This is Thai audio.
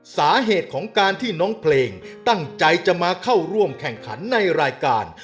สาเหตุของการที่น้องเพลงตั้งใจจะมาเข้าร่วมแข่งขันในรายการ